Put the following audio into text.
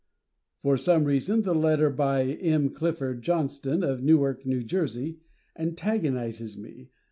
For some reason, the letter by M. Clifford Johnston, of Newark, N. J., antagonizes me.